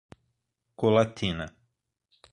Colatina